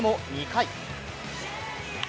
２回。